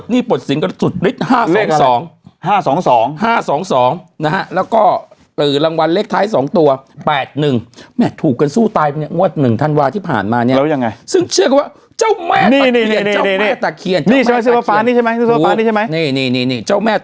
เนี้ยแล้วยังไงซึ่งเชื่อกันวะเจ้าแม่